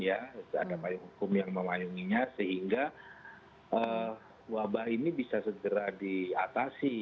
ada payung hukum yang memayunginya sehingga wabah ini bisa segera diatasi